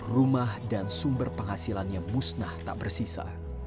rumah dan sumber penghasilannya musnah tak bersisa